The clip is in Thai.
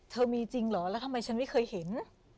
มีจริงเหรอแล้วทำไมฉันไม่เคยเห็น